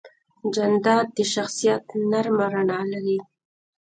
جانداد د شخصیت نرمه رڼا لري.